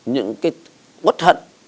những cái quất hận